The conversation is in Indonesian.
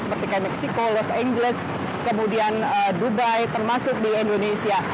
seperti mexico los angeles kemudian dubai termasuk di indonesia